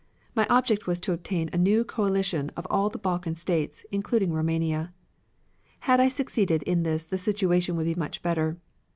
My object was to obtain a new coalition of all the Balkan States, including Roumania. Had I succeeded in this the situation would be much better.